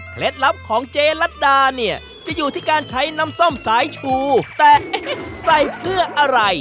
เคล็ดลับของเจลาดาเนี้ยจะอยู่ที่การใช้นำซ่อมสายชูแต่ใส่เพื่ออะไร